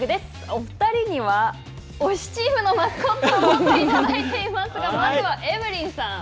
お２人には、推しチームのマスコットを持っていただいていますがまずはエブリンさん。